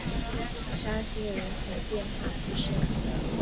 沙西人口变化图示